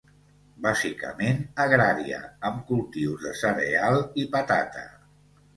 Bàsicament agrària, amb cultius de cereal i patata.